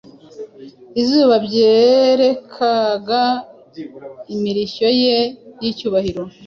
Izuba ryarekaga imirishyo ye yicyubahiro